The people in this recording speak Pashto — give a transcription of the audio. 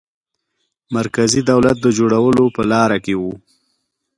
مرکزي دولت د جوړولو په لاره کې وو.